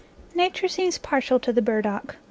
Nature seems partial to the burdock.